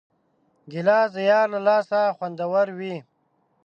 ګیلاس د یار له لاسه خوندور وي.